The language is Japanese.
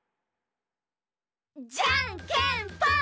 じゃんけんぽん！